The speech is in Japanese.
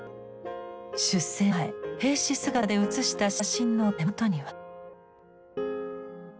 出征前兵士姿で写した写真の手元には。